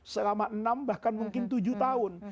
selama enam bahkan mungkin tujuh tahun